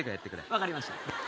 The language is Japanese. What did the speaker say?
分かりました。